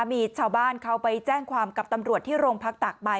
มีชาวบ้านเขาไปแจ้งความกับตำรวจที่โรงพักตากใบ